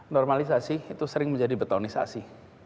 normalisasi itu sering menjadi betonisasi